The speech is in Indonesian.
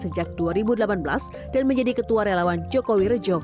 sejak dua ribu delapan belas dan menjadi ketua relawan jokowi rejo